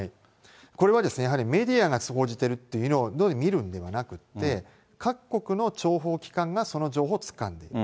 これはですね、やはりメディアが報じてるって見るんではなくて、各国の諜報機関がその情報をつかんでいる。